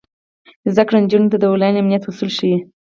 زده کړه نجونو ته د انلاین امنیت اصول ښيي.